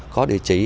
có địa chỉ